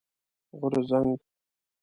غورځنګ